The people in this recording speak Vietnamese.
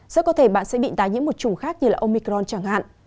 rất có thể bạn sẽ bị đá nhiễm một chủng khác như omicron chẳng hạn